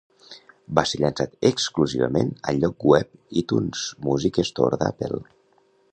Va ser llançat exclusivament al lloc web iTunes Music Store d'Apple.